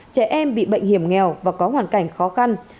trẻ em bị bệnh hiểm nghèo và có hoàn cảnh khó khăn